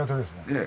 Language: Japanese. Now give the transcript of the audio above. ええ。